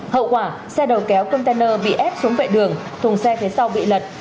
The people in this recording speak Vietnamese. hậu quả xe đầu kéo container bị ép xuống vệ đường thùng xe phía sau bị lật